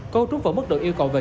cô trúng vào mức độ yêu cầu về